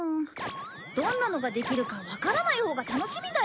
どんなのができるかわからないほうが楽しみだよ！